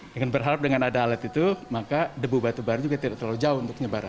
dengan berharap dengan ada alat itu maka debu batubara juga tidak terlalu jauh untuk nyebar